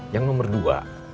yang nomor dua